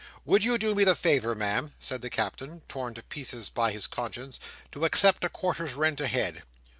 Would you do me the favour, Ma'am," said the Captain, torn to pieces by his conscience, "to accept a quarter's rent ahead?"